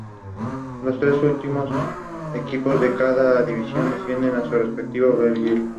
Los tres últimos equipos de cada división descienden a su respectiva Oberliga.